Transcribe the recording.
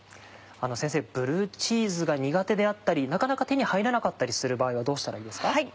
先生ブルーチーズが苦手であったりなかなか手に入らなかったりする場合はどうしたらいいですか？